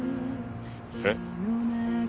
えっ？